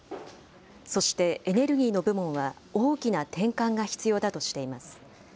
そしてエネルギーの部門は大きな転換が必要だとしています。